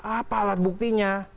apa alat buktinya